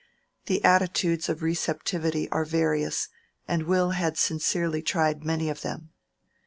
The attitudes of receptivity are various, and Will had sincerely tried many of them.